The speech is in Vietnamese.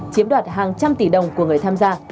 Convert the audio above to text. chiếm đoạt hàng trăm tỷ đồng của người tham gia